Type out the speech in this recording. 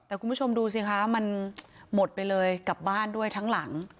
แต่คุณผู้ชมดูสิคะมันหมดไปเลยกลับบ้านด้วยทั้งหลัง